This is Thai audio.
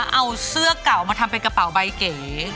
เอาเสื้อเก่ามาทำเป็นกระเป๋าใบเก๋